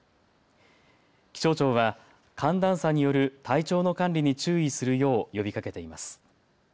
気象庁は寒暖差による体調の管理に注意するよう呼びかけています。